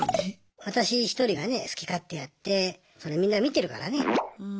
私一人がね好き勝手やってそれみんな見てるからね。